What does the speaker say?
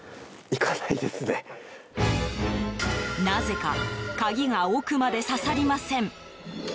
なぜか鍵が奥までささりません。